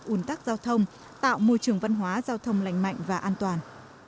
ủn tắc giao thông tạo môi trường văn hóa giao thông lành mạnh và an toàn